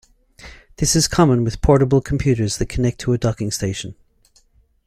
This is common with portable computers that connect to a docking station.